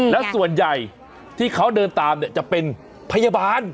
แล้วส่วนใหญ่ที่เขาเดินตามเนี่ยจะเป็นพยาบาล